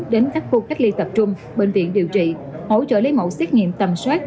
đến các khu cách ly tập trung bệnh viện điều trị hỗ trợ lấy mẫu xét nghiệm tầm soát